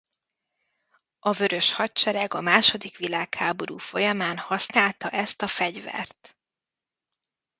A Vörös Hadsereg a második világháború folyamán használta ezt az fegyvert.